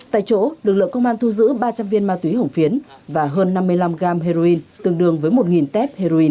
tại chỗ lực lượng công an thu giữ ba trăm linh viên ma túy hổng phiến và hơn năm mươi năm gram heroin tương đương với một tép heroin